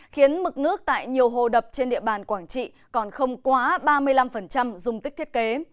khiến mực nước tại nhiều hồ đập trên địa bàn quảng trị còn không quá ba mươi năm dung tích thiết kế